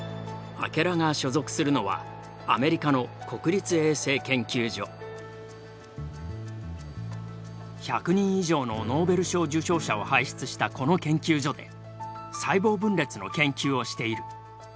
明楽が所属するのは１００人以上のノーベル賞受賞者を輩出したこの研究所で細胞分裂の研究をしている。